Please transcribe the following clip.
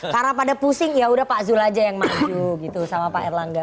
karena pada pusing ya sudah pak zul aja yang maju gitu sama pak erlangga